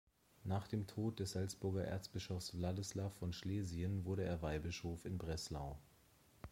Nach dem Tod des Salzburger Erzbischofs Wladislaw von Schlesien wurde er Weihbischof in Breslau.